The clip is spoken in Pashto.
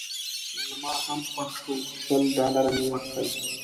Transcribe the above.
زما هم خوښ شو شل ډالره مې ورکړل.